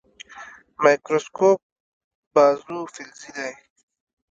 مایکروسکوپ بازو فلزي دی.